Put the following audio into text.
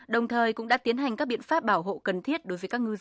đồng thời cũng đã tiến hành các biện pháp bảo hộ cần thiết đối với các ngư dân